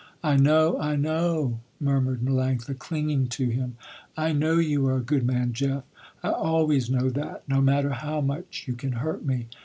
"I know, I know," murmured Melanctha, clinging to him. "I know you are a good man, Jeff. I always know that, no matter how much you can hurt me."